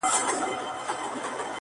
فکر بايد بدل سي ژر,